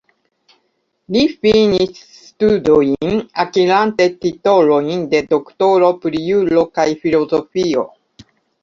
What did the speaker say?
Li finis studojn akirante titolojn de doktoro pri juro kaj filozofio.